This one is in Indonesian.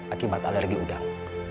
akibat alergi udang